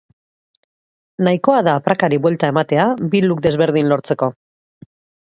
Nahikoa da prakari buelta ematea bi look ezberdin lortzeko.